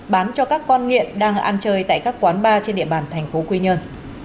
bán cho các con nghiện đang ăn chơi tại các quán bar trên địa bàn thành phố quy nhơn